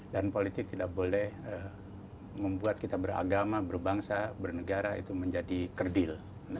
dan politik tidak boleh membuat kita beragama berbangsa bernegara itu menjadi kerdil